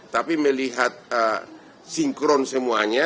tapi melihat sinkron semuanya